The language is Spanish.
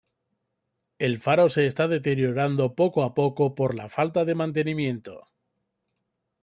El faro se está deteriorando poco a poco por la falta de mantenimiento.